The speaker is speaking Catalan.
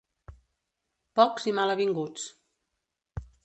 Pocs i mal avinguts.